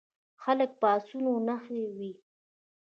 خلک په اسونو نښه وي.